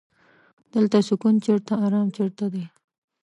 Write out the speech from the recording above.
دلته سکون چرته ارام چرته دی.